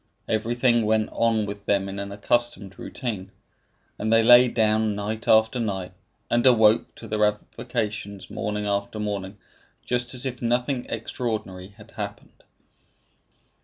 Everything went on with them in an accustomed routine; and they lay down night after night, and awoke to their avocations morning after morning, just as if nothing extraordinary had occurred.